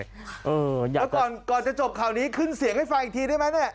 แล้วก่อนจะจบข่าวนี้ขึ้นเสียงให้ฟังอีกทีได้ไหมเนี่ย